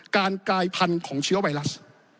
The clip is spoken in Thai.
กายพันธุ์ของเชื้อไวรัส